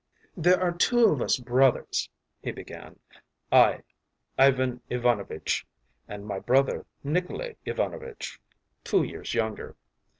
“There are two of us brothers,” he began “I, Ivan Ivanovitch, and my brother, Nikolay Ivanovitch, two years younger.